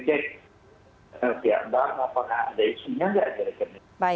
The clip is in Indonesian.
ketika yang beli bank pula gak ada isunya gak ada